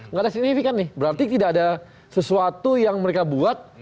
nggak ada signifikan nih berarti tidak ada sesuatu yang mereka buat